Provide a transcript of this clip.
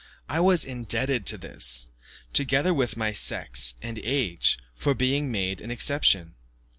I was indebted to this, together with my sex and age, for being made an exception.